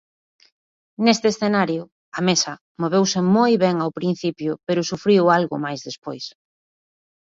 Neste escenario, A Mesa moveuse moi ben ao principio pero sufriu algo máis despois.